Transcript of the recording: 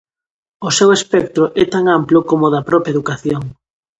O seu espectro é tan amplo como o da propia educación.